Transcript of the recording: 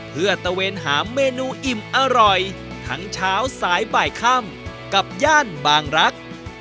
เพื่อตะเวนหาเมนูอิ่มอร่อยทั้งเช้าสายบ่ายค่ำกับย่านบางรัก